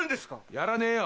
やらねえよ